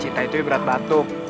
cinta itu ibarat batuk